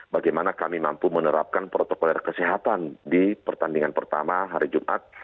bagaimana kami mampu menerapkan protokol kesehatan di pertandingan pertama hari jumat